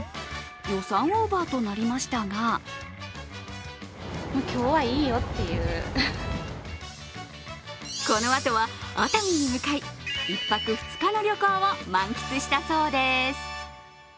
予算オーバーとなりましたがこのあとは熱海に向かい、１泊２日の旅行を満喫したそうです。